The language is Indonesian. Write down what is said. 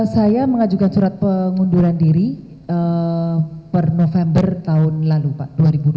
saya mengajukan surat pengunduran diri per november tahun lalu pak dua ribu dua puluh tiga